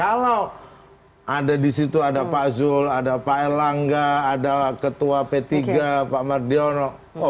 kalau ada di situ ada pak zul ada pak erlangga ada ketua p tiga pak mardiono